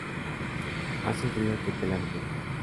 Hace un frío que pela los huevos